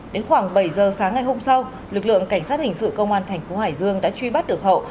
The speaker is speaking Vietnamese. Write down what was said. đến khoảng bảy giờ sáng ngày hôm sau lực lượng cảnh sát hình sự công an thành phố hải dương đã truy bắt được hậu